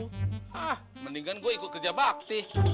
hah mendingan gue ikut kerja bakti